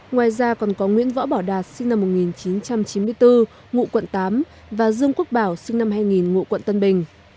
ngoài ra còn có nguyễn võ bảo đạt sinh năm một nghìn chín trăm chín mươi bốn ngụ quận tám và dương quốc bảo sinh năm hai nghìn ngụ quận tân bình